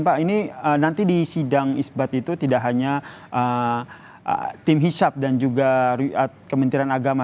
pak ini nanti di sidang isbat itu tidak hanya tim hisap dan juga kementerian agama